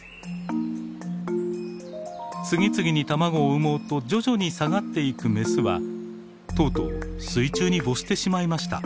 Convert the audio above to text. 次々に卵を産もうと徐々に下がっていくメスはとうとう水中に没してしまいました。